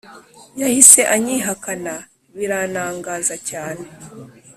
Yahise anyihakana biranangaza cyane